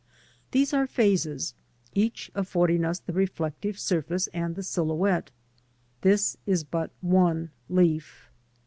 These are phases, each affording us the reflective surface and the silhouette; this is but one leaf.